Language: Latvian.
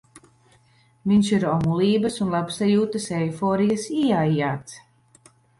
Viņš ir omulības un labsajūtas eiforijas ieaijāts.